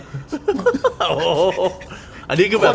อันนี้ก็แบบ